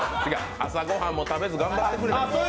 朝ご飯も食べず、頑張ってくれてる。